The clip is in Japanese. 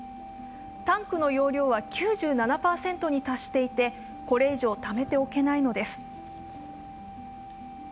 タンクの容量は９７％に達していてこれ以上ためておけないのです。